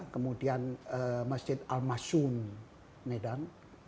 kemudian masjid al masyun medan